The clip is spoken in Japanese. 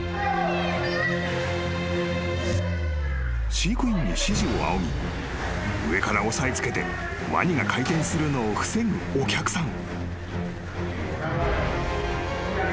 ［飼育員に指示を仰ぎ上から押さえ付けてワニが回転するのを防ぐお客さん］